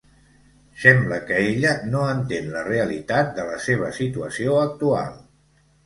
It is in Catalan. Sembla que ella no entén la realitat de la seva situació actual.